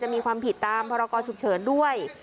มีความผิดตามพรกรฉุกเฉินด้วย